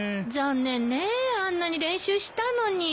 あんなに練習したのに。